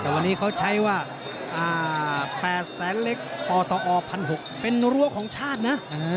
แต่วันนี้เขาใช้ว่า๘แสนเล็กปตอ๑๖๐๐เป็นรั้วของชาตินะ